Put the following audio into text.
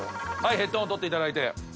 ヘッドホン取っていただいて。